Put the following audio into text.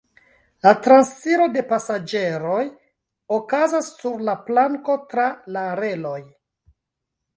La transiro de pasaĝeroj okazas sur la planko tra la reloj.